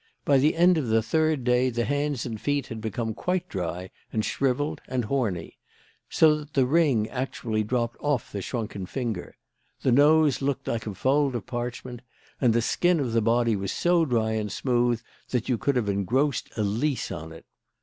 By the end of the third day the hands and feet had become quite dry and shrivelled and horny so that the ring actually dropped off the shrunken finger the nose looked like a fold of parchment; and the skin of the body was so dry and smooth that you could have engrossed a lease on it.